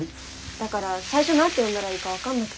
だから最初何て呼んだらいいか分かんなくて。